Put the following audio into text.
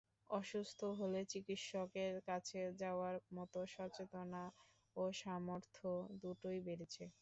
অসুস্থ হলে চিকিৎসকের কাছে যাওয়ার মতো সচেতনতা ও সামর্থ্য দুটোই বেড়েছে।